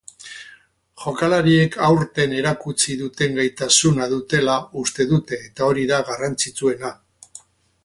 Jokalariek aurten erakutsi duten gaitasuna dutela uste dute eta hori da garrantzitsuena.